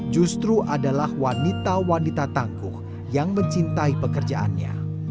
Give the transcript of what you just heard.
justru adalah wanita wanita tangguh yang mencintai pekerjaannya